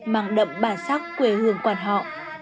mang đậm bản sắc quê hương quan họ